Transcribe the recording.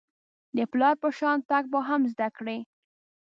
د پلار په شان تګ به هم زده کړئ .